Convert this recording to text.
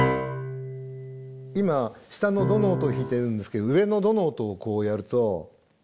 今下のドの音を弾いてるんですけど上のドの音をこうやると。